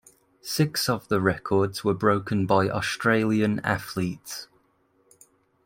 Six of the records were broken by Australian athletes.